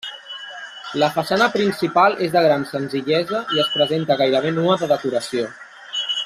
La façana principal és de gran senzillesa i es presenta gairebé nua de decoració.